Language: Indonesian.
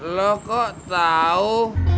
lo kok tau